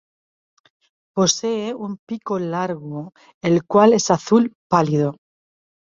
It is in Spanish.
Posee un pico largo el cual es azul pálido.